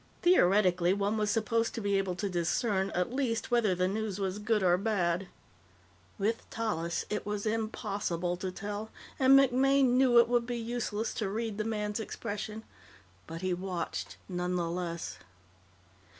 Theoretically, one was supposed to be able to discern, at least, whether the news was good or bad. With Tallis, it was impossible to tell, and MacMaine knew it would be useless to read the man's expression. But he watched, nonetheless.